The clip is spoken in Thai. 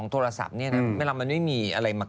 เพราะว่ามันคลิปสามาก